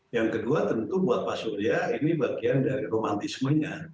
yang kedua tentu buat pak surya ini bagian dari romantismenya